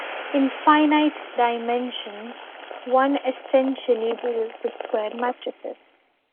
In finite-dimensions, one essentially deals with square matrices.